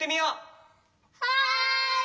はい！